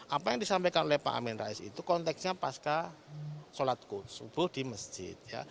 apa yang disampaikan oleh pak amin rais itu konteksnya pasca sholat subuh di masjid